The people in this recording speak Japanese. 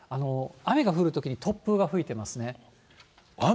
雨が降るときに、突風が吹いてますね。